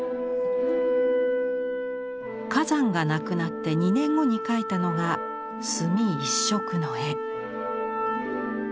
崋山が亡くなって２年後に描いたのが墨一色の絵。